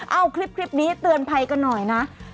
เอาคลิปนี้เตือนภัยกันหน่อยนะ